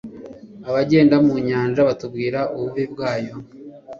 abagenda mu nyanja batubwira ububi bwayo